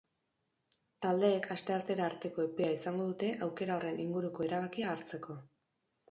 Taldeek asteartera arteko epea izango dute aukera horren inguruko erabakia hartzeko.